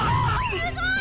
すごい！